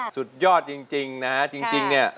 สุดยอดจริงนะ